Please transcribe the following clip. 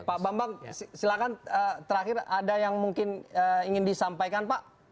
pak bambang silahkan terakhir ada yang mungkin ingin disampaikan pak